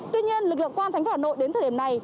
tuy nhiên lực lượng quan thành phố hà nội đến thời điểm này